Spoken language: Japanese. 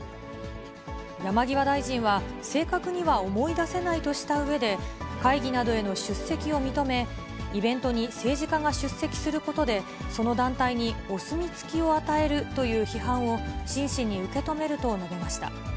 山際大臣は、正確には思い出せないとしたうえで、会議などへの出席を認め、イベントに政治家が出席することでその団体にお墨付きを与えるという批判を真摯に受け止めると述べました。